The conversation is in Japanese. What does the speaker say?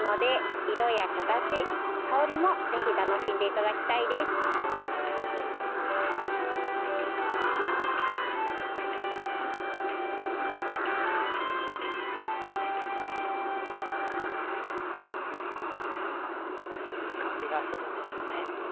いい香りがするんでしょうね。